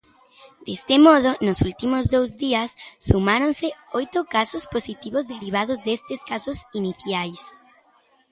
Deste modo, nos últimos dous días sumáronse "oito casos positivos derivados destes casos iniciais".